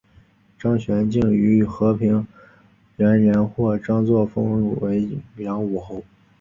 张玄靓于和平元年获张祚封为凉武侯。